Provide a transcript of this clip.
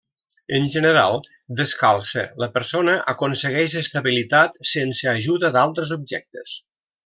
En general descalça, la persona aconsegueix estabilitat sense ajuda d'altres objectes.